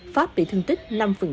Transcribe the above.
pháp bị thương tích năm